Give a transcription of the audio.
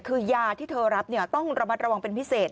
คือยาที่เธอรับต้องระมัดระวังเป็นพิเศษ